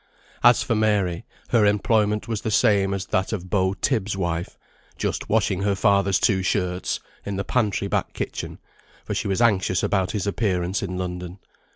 As for Mary, her employment was the same as that of Beau Tibbs' wife, "just washing her father's two shirts," in the pantry back kitchen; for she was anxious about his appearance in London.